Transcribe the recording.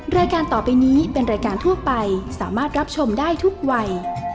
รายการต่อไปนี้เป็นรายการทั่วไปสามารถรับชมได้ทุกวัย